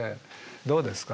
どうですか？